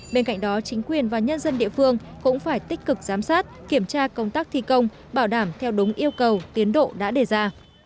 bên cạnh đó chính quyền và nhân dân địa phương cũng phải tích cực giám sát kiểm tra công tác thi công bảo đảm theo đúng yêu cầu tiến độ đã đề ra